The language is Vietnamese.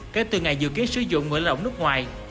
kể từ ngày dự kiến sử dụng người lao động nước ngoài